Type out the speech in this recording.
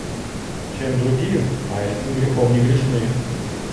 Чем другим, а этим грехом не грешны.